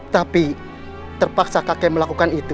tapi terpaksa kakek melakukan itu